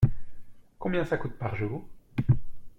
Combien ça coûte par jour ?